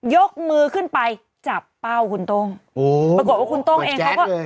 ยกมือขึ้นไปจับเป้าคุณโต้งโอ้ปรากฏว่าคุณโต้งเองเขาก็